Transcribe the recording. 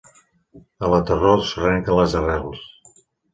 A la tardor s'arrenquen les arrels.